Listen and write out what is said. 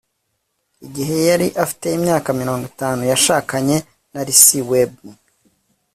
Igihe yari afite imyaka mirongo itatu yashakanye na Lucy Webb